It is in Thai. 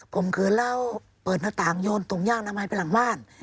กลมกลืนแล้วเปิดหน้าต่างโยนตุ๋งย่างน้ำไหมไปหลังบ้าน